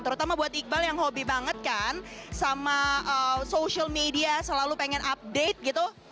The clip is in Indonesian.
terutama buat iqbal yang hobi banget kan sama social media selalu pengen update gitu